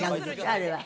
あれは。